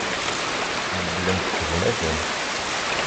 Beddlent tegnatin.